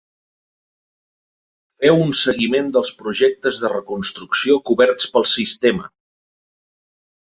Feu un seguiment dels projectes de reconstrucció coberts pel sistema.